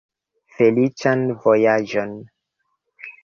Feliĉan vojaĝon!